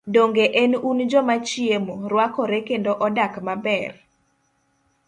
Donge en un joma chiemo, rwakore kendo odak maber?